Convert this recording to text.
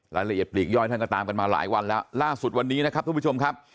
ละเอียดปลีกย่อยท่านก็ตามกันมาหลายวันแล้วล่าสุดวันนี้นะครับทุกผู้ชมครับ